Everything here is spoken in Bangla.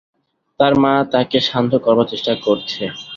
তার মা তাকে শান্ত করবার চেষ্টা করছে।